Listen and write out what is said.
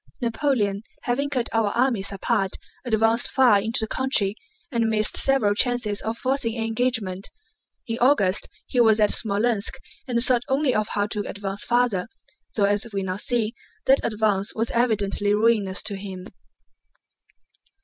Napoleon having cut our armies apart advanced far into the country and missed several chances of forcing an engagement. In August he was at Smolénsk and thought only of how to advance farther, though as we now see that advance was evidently ruinous to him.